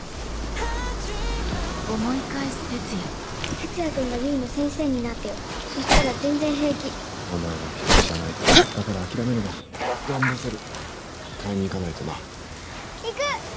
哲也君が唯の先生になってよそしたら全然お前は１人じゃないだから諦めるなランドセル買いに行かないとな行く！